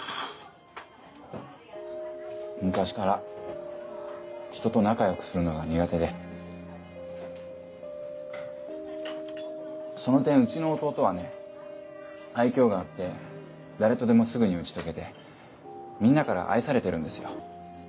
昔から人と仲良くするのが苦手でその点うちの弟はね愛嬌があって誰とでもすぐに打ち解けてみんなから愛されてるんですよ